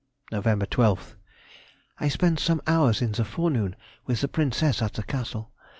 Nov. 12th.—I spent some hours in the forenoon with the Princess at the Castle.